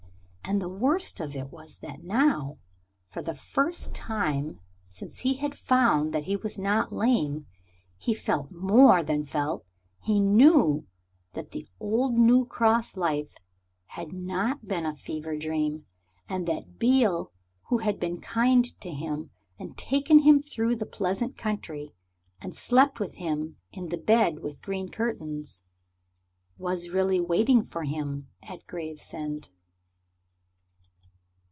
And the worst of it was that now, for the first time since he had found that he was not lame, he felt more than felt, he knew that the old New Cross life had not been a fever dream, and that Beale, who had been kind to him and taken him through the pleasant country and slept with him in the bed with the green curtains, was really waiting for him at Gravesend.